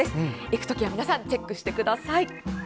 行くときは皆さんチェックしてみてください。